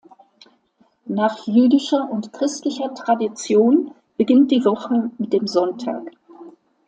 Nach jüdischer und christlicher Tradition beginnt die Woche mit dem Sonntag.